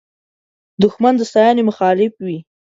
دښمن د ستاینې مخالف وي